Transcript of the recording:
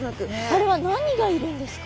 あれは何がいるんですか？